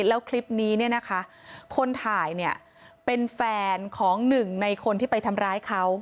แล้วคลิปนี้เนี่ยนะคะคนถ่ายเนี่ยเป็นแฟนของหนึ่งในคนที่ไปทำร้ายเขา